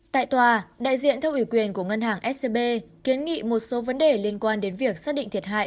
tại tòa đại diện theo ủy quyền của ngân hàng scb kiến nghị một số vấn đề liên quan đến việc xác định thiệt hại